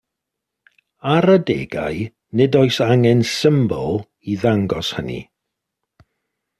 Ar adegau, nid oes angen symbol i ddangos hynny.